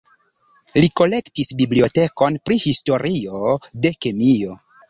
Li kolektis bibliotekon pri historio de kemio.